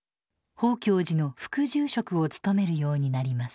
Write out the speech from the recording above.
宝鏡寺の副住職を務めるようになります。